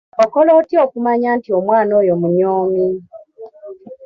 Okola otya okumanya nti omwana oyo munyoomi?